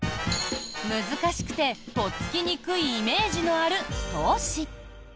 難しくて、とっつきにくいイメージのある投資。